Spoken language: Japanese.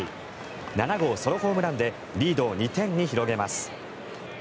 ７号ソロホームランでリードを２点に広げます。